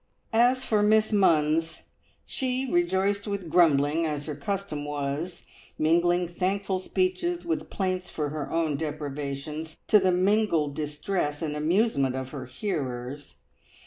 As for Miss Munns, she rejoiced with grumbling, as her custom was, mingling thankful speeches with plaints for her own deprivations, to the mingled distress and amusement of her hearers.